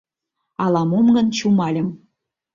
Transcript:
Ала-мом гын чумальым.